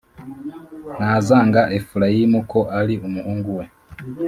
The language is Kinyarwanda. ntazanga efurayimu ko ari umuhungu we